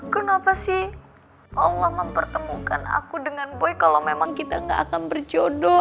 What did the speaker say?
kenapa sih allah mempertemukan aku dengan baik kalau memang kita gak akan berjodoh